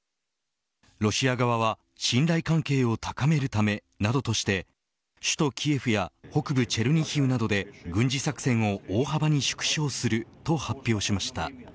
ロシア側は、信頼関係を高めるためなどとして首都キエフや北部チェルニヒウなどで軍事作戦を大幅に縮小すると発表しました。